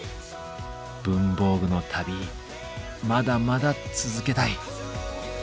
文房具の旅まだまだ続けたい。